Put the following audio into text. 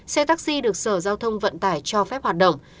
xe taxi được sở giao thông vận tải cho phép hoạt động